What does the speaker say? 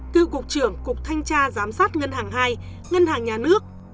cựu cục trưởng cục thanh tra giám sát ngân hàng hai ngân hàng nhà nước